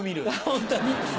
本当に？